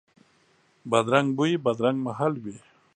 بدرنګ بوی، بدرنګ محل وي